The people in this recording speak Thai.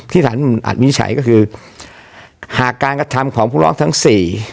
สารอาจวิจัยก็คือหากการกระทำของผู้ร้องทั้งสี่